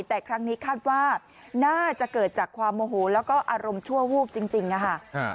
แต่ครั้งนี้คาดว่าน่าจะเกิดจากความโมโหแล้วก็อารมณ์ชั่ววูบจริงค่ะ